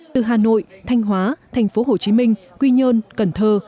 từ hà nội thanh hóa thành phố hồ chí minh quy nhơn cần thơ